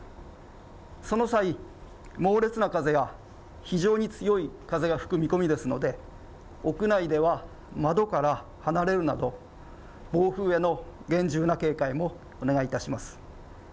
その際、猛烈な風や非常に強い風が吹く見込みですので屋内では窓から離れるなど暴風への厳重な警戒もお願いします。